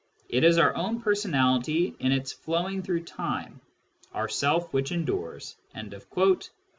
It is our own personality in its flowing through time— our self which endures" (p.